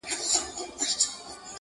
o کوز په ټوخي نه ورکېږي.